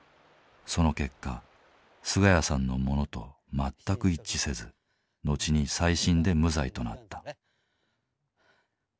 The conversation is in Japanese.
その結果菅家さんのものと全く一致せず後に再審で無罪となった。